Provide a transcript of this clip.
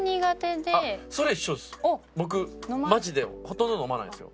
僕マジでほとんど飲まないんですよ。